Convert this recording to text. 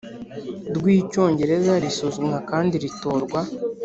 rw Icyongereza risuzumwa kandi ritorwa